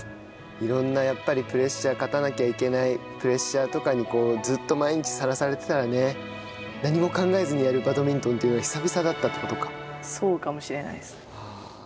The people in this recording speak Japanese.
いろんなプレッシャー、勝たなきゃいけないプレッシャーとかにずっと毎日さらされてたらね、何も考えずにやるバドミントンというの、久々だったってことか。